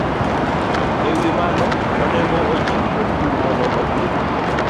E wi mano, onego ojiw jopur mondo opidh